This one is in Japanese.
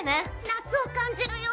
夏を感じるよ。